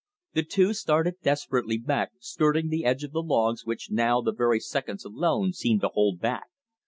The two started desperately back, skirting the edge of the logs which now the very seconds alone seemed to hold back.